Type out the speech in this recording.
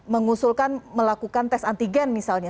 mengusulkan melakukan tes antigen misalnya